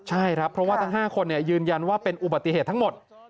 ใช่ครับเพราะว่าทั้ง๕คนยืนยันว่าเป็นอุบัติเหตุทั้งหมด